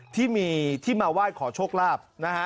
ที่มาวาดขอโชคราบ